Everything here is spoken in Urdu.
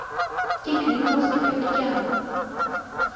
کہ گرین ہاؤس ایفیکٹ کیا ہے